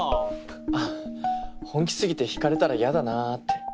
あ本気過ぎて引かれたら嫌だなぁって。